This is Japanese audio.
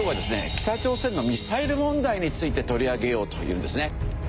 北朝鮮のミサイル問題について取り上げようというんですね。